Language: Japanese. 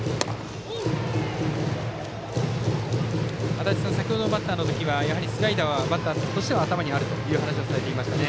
足達さん、先程のバッターの時はスライダーはバッターとしては頭にあるという話をされていましたね。